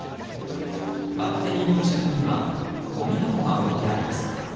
バッテリーの近くにはごみ箱が置いてあります。